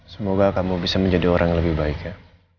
semoga kamu bisa menjadi orang lebih baik ya